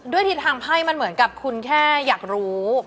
ทิศทางไพ่มันเหมือนกับคุณแค่อยากรู้